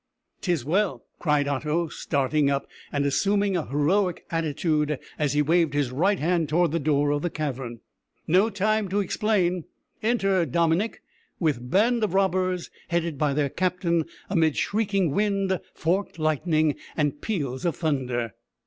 "'Tis well!" cried Otto, starting up, and assuming a heroic attitude as he waved his right hand toward the door of the cavern, "no time to explain. Enter Dominick, with band of robbers, headed by their captain, amid shrieking wind, forked lightning, and peals of thunder!"